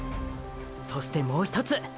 そしてもうひとつ！！